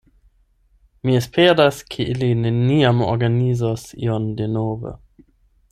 Mi esperas, ke ili neniam organizos ion denove.